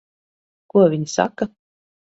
Ko viņi saka?